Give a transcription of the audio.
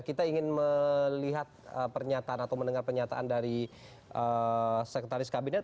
kita ingin melihat pernyataan atau mendengar pernyataan dari sekretaris kabinet